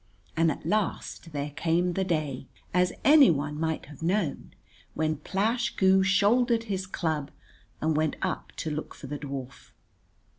And at last there came the day, as anyone might have known, when Plash Goo shouldered his club and went up to look for the dwarf.